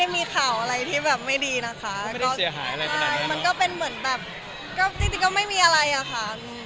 มันก็เป็นเหมือนแบบจริงเขายังไม่มีอะไรอะค่ะ